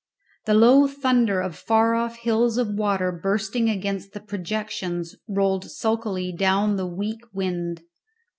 The low thunder of far off hills of water bursting against the projections rolled sulkily down upon the weak wind.